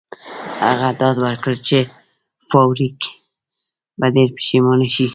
هغه ډاډ ورکړ چې فارویک به ډیر پښیمانه شي